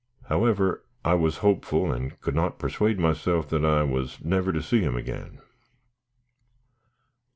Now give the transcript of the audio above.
However, I was hopeful, and could not persuade myself that I was never to see him again.